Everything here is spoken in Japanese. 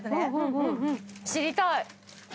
知りたい！